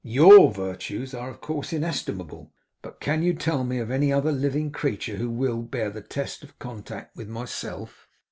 YOUR virtues are of course inestimable, but can you tell me of any other living creature who will bear the test of contact with myself?